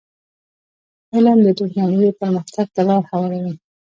علم د ټکنالوژی پرمختګ ته لار هواروي.